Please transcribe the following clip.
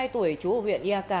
bốn mươi hai tuổi chú huyện iak